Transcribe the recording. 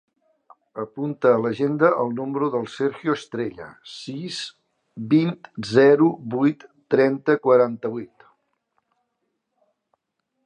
Apunta a l'agenda el número del Sergio Estrella: sis, vint, zero, vuit, trenta, quaranta-vuit.